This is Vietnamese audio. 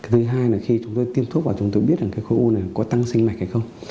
thứ hai là khi chúng tôi tiêm thuốc vào chúng tôi biết là cái khối u này có tăng sinh mạnh hay không